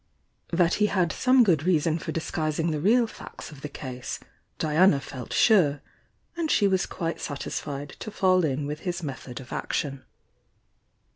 That he had some good reason for disguis ing the real fac^ of the case Diana felt sure, and stiC was quite satisfied to fall in with his method of action.